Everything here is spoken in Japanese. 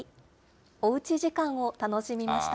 おうち時間を楽しみました。